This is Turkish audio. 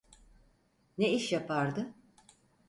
Ne iş yapardı?